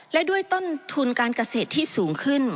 และด้วยต้นทุนการเกษตรที่สูงขึ้น